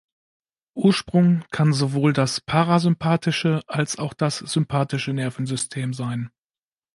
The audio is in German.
Ursprung kann sowohl das parasympathische als auch das sympathische Nervensystem sein.